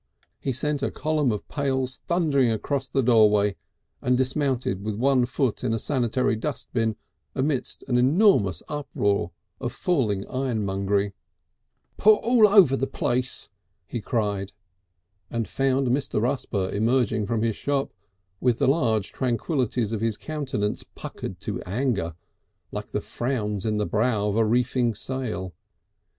He sent a column of pails thundering across the doorway and dismounted with one foot in a sanitary dustbin amidst an enormous uproar of falling ironmongery. "Put all over the place!" he cried, and found Mr. Rusper emerging from his shop with the large tranquillities of his countenance puckered to anger, like the frowns in the brow of a reefing sail.